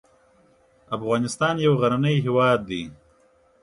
افغانستان یو غرنی هیواد دی